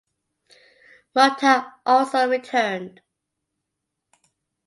Muta also returned.